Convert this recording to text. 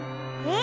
え